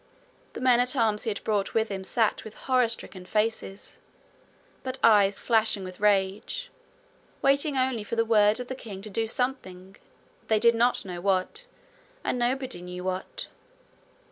The men at arms he had brought with him sat with horror stricken faces, but eyes flashing with rage, waiting only for the word of the king to do something they did not know what, and nobody knew what.